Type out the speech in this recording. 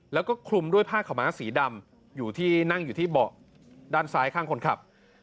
แล้วก็คลุมด้วยผ้าขาวม้าสีดำอยู่ที่นั่งอยู่ที่เบาะด้านซ้ายข้างคนขับ